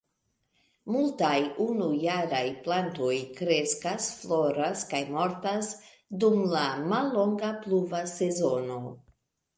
Multaj unujaraj plantoj kreskas, floras kaj mortas dum la mallonga pluva sezono.